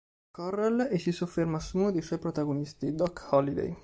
Corral e si sofferma su uno dei suoi protagonisti, Doc Holliday.